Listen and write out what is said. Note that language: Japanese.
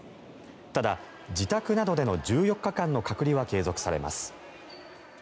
ただ、自宅などでの１４日間の隔離は継続されます。